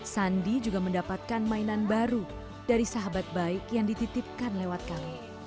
sandi juga mendapatkan mainan baru dari sahabat baik yang dititipkan lewat kami